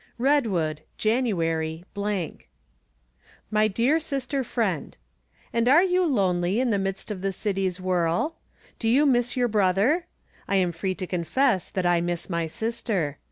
Redwood, January, My Dear Sister Friend :; And are you lonely in the midst of tlie city's whirl? Do you miss your brother? I am free to confess that I miss my sister.